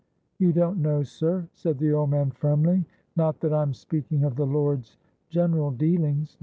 "You don't know, sir," said the old man, firmly. "Not that I'm speaking of the Lord's general dealings.